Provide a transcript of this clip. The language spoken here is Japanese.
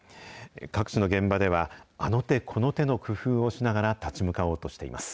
各地の現場では、あの手この手の工夫をしながら立ち向かおうとしています。